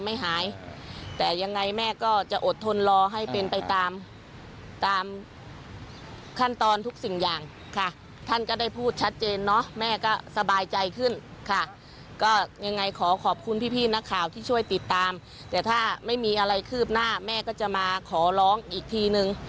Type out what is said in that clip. มีพี่นักข่าวที่ช่วยติดตามแต่ถ้าไม่มีอะไรคืบหน้าแม่ก็จะมาขอร้องอีกทีนึง